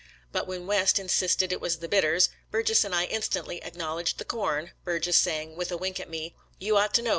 But when West insisted it was the bitters, Burges and I instantly " ac knowledged the corn," Burges saying, with a wink at me, "You ought to know.